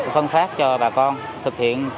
phân phát cho bà con